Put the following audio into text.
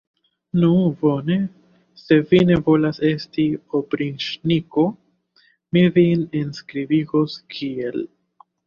Nu, bone, se vi ne volas esti opriĉniko, mi vin enskribigos kiel.